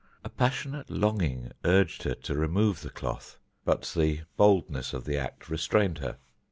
A passionate longing urged her to remove the cloth, but the boldness of the act restrained her.